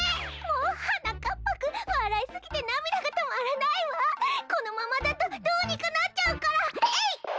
もうはなかっぱくんわらいすぎてなみだがとまらないわこのままだとどうにかなっちゃうからえいっ！